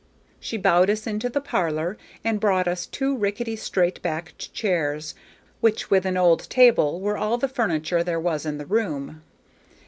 She bowed us into the parlor and brought us two rickety, straight backed chairs, which, with an old table, were all the furniture there was in the room.